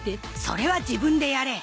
それは自分でやれ